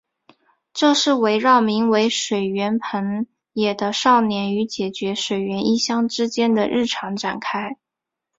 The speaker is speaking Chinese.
这是围绕名为水原朋也的少年与姐姐水原一香之间的日常展开。